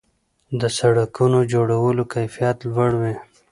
د سړکونو جوړولو کیفیت لوړ وي.